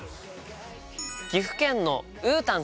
岐阜県のうーたんさん